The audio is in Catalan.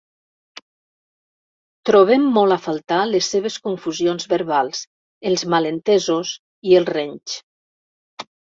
Trobem molt a faltar les seves confusions verbals, els malentesos i els renys.